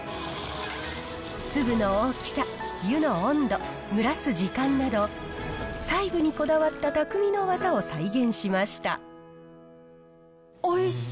粒の大きさ、湯の温度、蒸らす時間など、細部にこだわったたくみの技を再現しました。